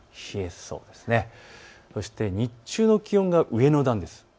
そして日中の気温が上の段です。